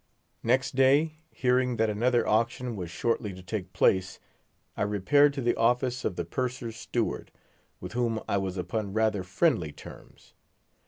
Next day, hearing that another auction was shortly to take place, I repaired to the office of the Purser's steward, with whom I was upon rather friendly terms.